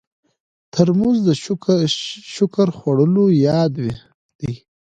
ترموز د شکر خوړلو یاد دی.